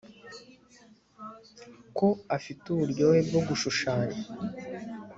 Ko afite uburyohe bwo gushushanya